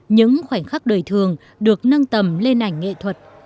những khoảnh khắc đời thường được nâng tầm lên ảnh nghệ thuật